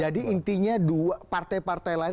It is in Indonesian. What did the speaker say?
jadi intinya dua partai partai lain